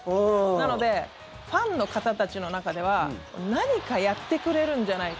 なので、ファンの方たちの中では何かやってくれるんじゃないか。